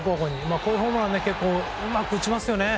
こういうホームラン結構うまく打ちますよね。